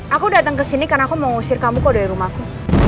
aku datang kesini karena aku mau usir kamu kok dari rumahku